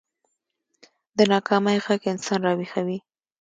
د ناکامۍ غږ انسان راويښوي